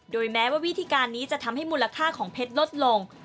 แม้ว่าวิธีการนี้จะทำให้มูลค่าของเพชรลดลง